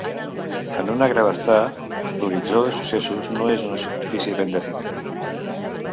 En una gravastar, l'horitzó de successos no és una superfície ben definida.